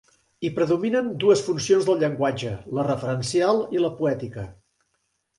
Hi predominen dues funcions del llenguatge, la referencial i la poètica.